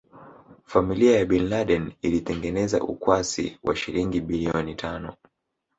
Familia ya Bin Laden ilitengeneza ukwasi wa shilingi biiloni tano